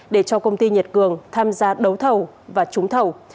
để cho công ty nhật cường tham gia đấu thầu và trúng thầu